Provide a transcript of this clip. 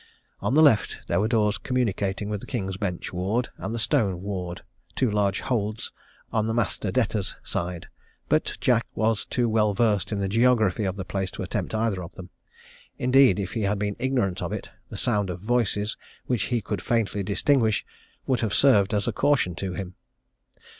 On the left there were doors communicating with the King's Bench Ward, and the Stone Ward, two large holds on the master debtors' side. But Jack was too well versed in the geography of the place to attempt either of them. Indeed, if he had been ignorant of it, the sound of voices, which he could faintly distinguish, would have served as a caution to him.